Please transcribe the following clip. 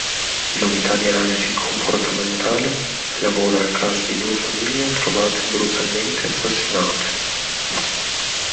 L'Unità di Analisi Comportamentale lavora al caso di due famiglie trovate brutalmente assassinate.